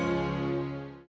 sampai jumpa lagi